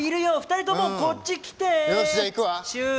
２人とも、こっち来てー！